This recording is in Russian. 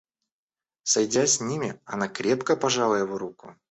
Сойдясь с ним, она крепко пожала его руку.